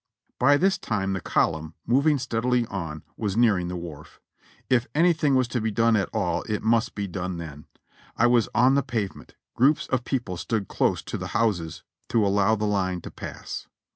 By this time the column, moving steadily on, was nearing the wharf. If anything was to be done at all it must be done then. I was on the pavement ; groups of people stood close to the houses to allows the line to pass.